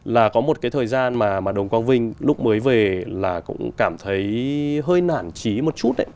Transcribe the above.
là có một cái thời gian mà đồng quang vinh lúc mới về là cũng cảm thấy hơi nản trí một chút